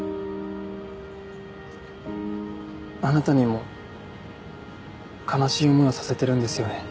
あなたにも悲しい思いをさせてるんですよね